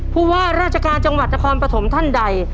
ผู้ว่าราชการจังหวัดนครปฐมท่านใด